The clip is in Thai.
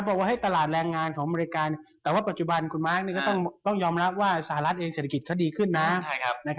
บอกว่าให้ตลาดแรงงานของอเมริกาแต่ว่าปัจจุบันคุณมาร์คก็ต้องยอมรับว่าสหรัฐเองเศรษฐกิจเขาดีขึ้นนะ